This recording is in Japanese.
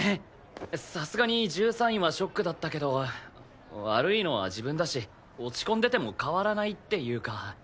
さすがに１３位はショックだったけど悪いのは自分だし落ち込んでても変わらないっていうか。